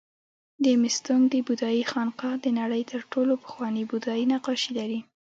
د مستونګ د بودایي خانقاه د نړۍ تر ټولو پخواني بودایي نقاشي لري